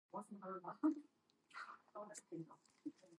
Among his students there was Kim Williams who later became a lifelong friend.